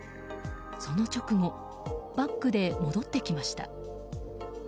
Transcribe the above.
その直後バックで戻ってきました。